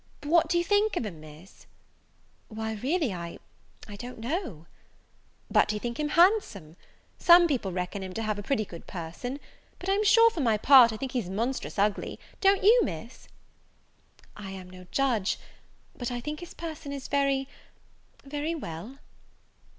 "But what do you think of him, Miss?" "Why, really, I I don't know." "But do you think him handsome? Some people reckon him to have a good pretty person; but I'm sure, for my part, I think he's monstrous ugly: don't you, Miss?" "I am no judge, but I think his person is very very well."